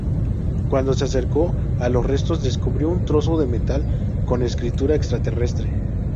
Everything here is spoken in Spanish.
Cuando se acercó a los restos, descubrió un trozo de metal con escritura extraterrestre.